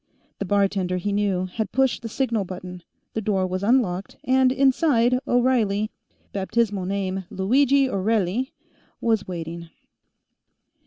The bartender, he knew, had pushed the signal button; the door was unlocked, and, inside, O'Reilly baptismal name Luigi Orelli was waiting.